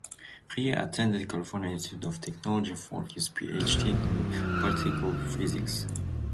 He attended California Institute of Technology for his PhD in particle physics.